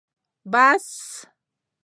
بس